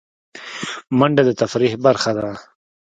منډه د تفریح برخه ده